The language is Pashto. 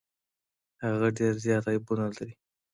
هغه ډیر زيات عيبونه لري.